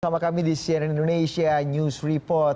sama kami di cnn indonesia news report